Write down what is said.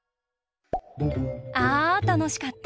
あたのしかった！